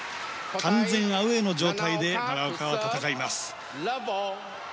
完全アウェーの状態で奈良岡は戦います。